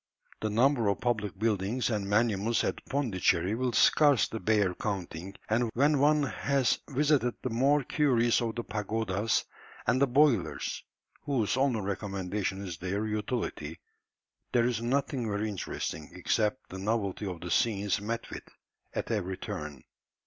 The number of public buildings and monuments at Pondicherry will scarcely bear counting, and when one has visited the more curious of the pagodas, and the "boilers," whose only recommendation is their utility, there is nothing very interesting, except the novelty of the scenes met with at every turn.